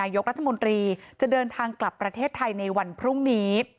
ยกรัฐมนตรีจะเดินทางกลับประเทศไทยในวันพรุ่งนี้